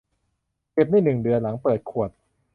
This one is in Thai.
เก็บได้หนึ่งเดือนหลังเปิดขวด